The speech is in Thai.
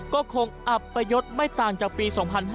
ก็คงอัปประโยชน์ไม่ต่างจากปี๒๕๖๒